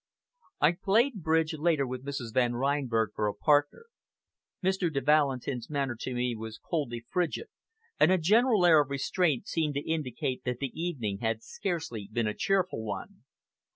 I played bridge later with Mrs. Van Reinberg for a partner. Mr. de Valentin's manner to me was coldly frigid, and a general air of restraint seemed to indicate that the evening had scarcely been a cheerful one.